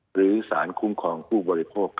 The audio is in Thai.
หรือสารคุ้มครองผู้บริโภค